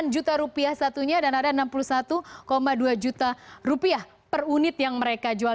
delapan juta rupiah satunya dan ada enam puluh satu dua juta rupiah per unit yang mereka jual